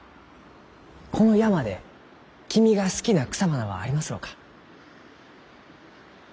この山で君が好きな草花はありますろうか？